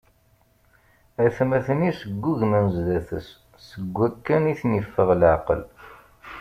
Atmaten-is ggugmen zdat-s, seg wakken i ten-iffeɣ leɛqel.